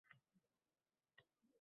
Togʼu toshda adashgan bir oʼtparastmi